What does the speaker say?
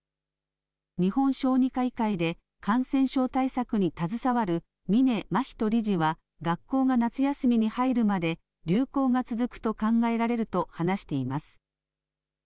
日本小児科医会で感染症対策に携わる峯眞人理事は、学校が夏休みに入るまで流行が続くと考えられると話しています。